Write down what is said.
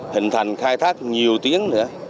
hình thành khai thác nhiều tuyến